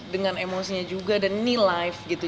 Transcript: dengan emosinya juga dan ne live gitu